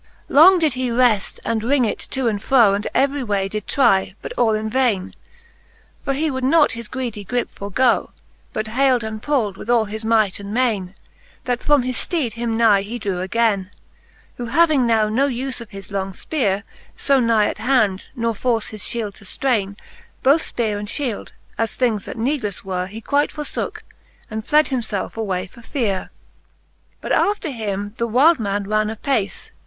VII. Long did he wreft and wring it to and fro. And every way did try, but all in vaine ; For he would not his greedie gripe forgoe. But hay Id and puld with all his might and maine, That from his fleed him nigh he drew againe. Who having now no ufe of his long ipeare. So nigh at hand, nor force his fliield to fl:raine. Both fpereand fliield, as things thatneedlefle were, He quite foorfooke, and fled himfelfe away for feare. VIII. But after him the wyld man ran apace, i